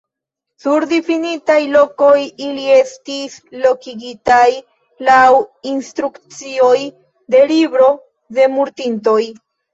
Sur difinitaj lokoj ili estis lokigitaj laŭ instrukcioj de libro de mortintoj.